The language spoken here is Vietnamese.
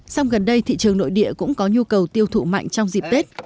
song gần đây thị trường nội địa cũng có nhu cầu tiêu thụ mạnh trong dịp tết